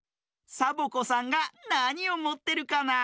サボ子さんがなにをもってるかなあ？